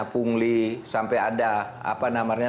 pembangunan pungli sampai ada